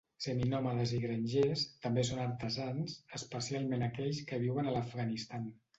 Seminòmades i grangers, també són artesans, especialment aquells que viuen a l'Afganistan.